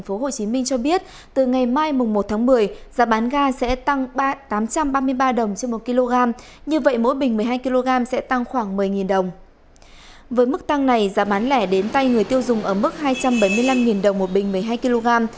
với mức tăng này giá bán lẻ đến tay người tiêu dùng ở mức hai trăm bảy mươi năm đồng một bình một mươi hai kg